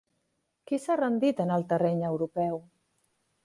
Qui s'ha rendit en el terreny europeu?